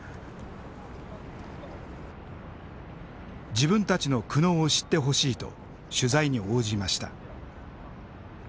自分たちの苦悩を知ってほしいと取材に応じました。